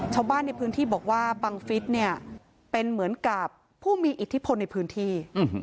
ชาวบ้านในพื้นที่บอกว่าบังฟิศเนี่ยเป็นเหมือนกับผู้มีอิทธิพลในพื้นที่